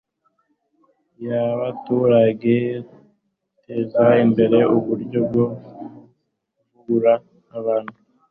y'abaturage, guteza imbere uburyo bwo kuvura abantu